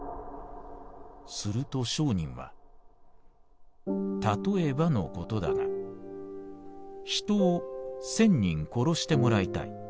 すると聖人は『たとえばのことだが人を千人殺してもらいたい。